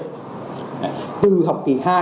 là chuyển tịch